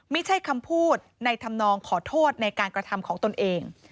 ไม่ใช่คำพูดในธรรมนองขอโทษในการกระทำของตนเอง